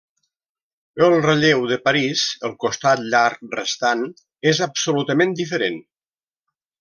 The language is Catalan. El relleu de París –el costat llarg restant– és absolutament diferent.